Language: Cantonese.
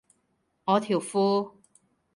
我條褲